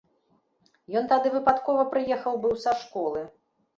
Ён тады выпадкова прыехаў быў са школы.